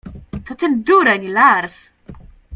— To ten dureń Lars!